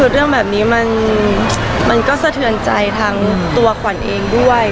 เรื่องแบบนี้มันก็สะเทือนใจทางตัวขวัญเองด้วย